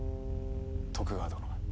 徳川殿。